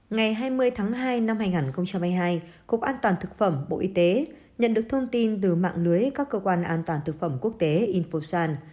ngày hai mươi tháng hai năm hai nghìn hai mươi hai cục an toàn thực phẩm bộ y tế nhận được thông tin từ mạng lưới các cơ quan an toàn thực phẩm quốc tế infosan